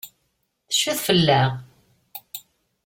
Tecfiḍ fell-aɣ?